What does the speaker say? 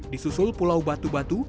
di susul pulau batu batu